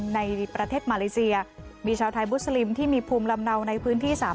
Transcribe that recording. ในประเทศมาเลเซียมีชาวไทยมุสลิมที่มีภูมิลำเนาในพื้นที่๓๐